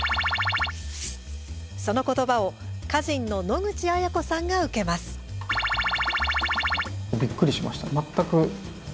その言葉を歌人の野口あや子さんが受けます。